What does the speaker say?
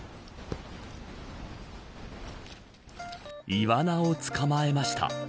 イワナを捕まえました。